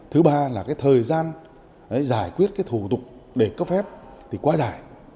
thứ ba là cái thời gian giải quyết cái thủ tục để cấp phép thì quá dài